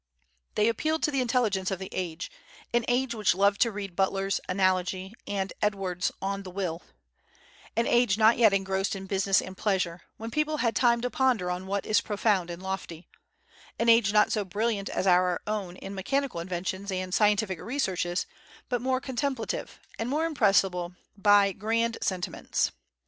They appealed to the intelligence of the age, an age which loved to read Butler's "Analogy," and Edwards "On the Will;" an age not yet engrossed in business and pleasure, when people had time to ponder on what is profound and lofty; an age not so brilliant as our own in mechanical inventions and scientific researches, but more contemplative, and more impressible by grand sentiments.